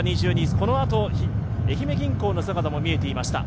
このあと愛媛銀行の姿も見えていました。